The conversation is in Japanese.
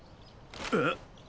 えっ⁉